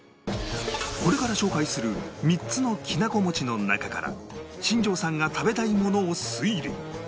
これから紹介する３つのきなこ餅の中から新庄さんが食べたいものを推理